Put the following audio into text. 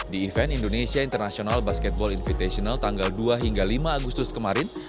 di event indonesia international basketball invitational tanggal dua hingga lima agustus kemarin